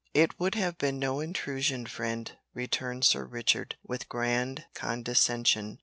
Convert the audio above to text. "It would have been no intrusion, friend," returned Sir Richard, with grand condescension.